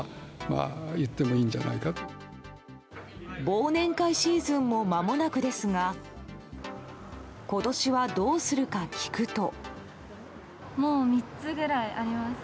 忘年会シーズンもまもなくですが今年はどうするか聞くと。